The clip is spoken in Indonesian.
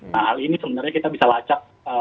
nah hal ini sebenarnya kita bisa lacak